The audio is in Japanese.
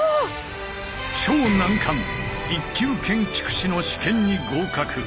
超難関１級建築士の試験に合格。